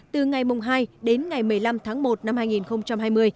từ ngày hai đến ngày một mươi năm tháng một năm hai nghìn hai mươi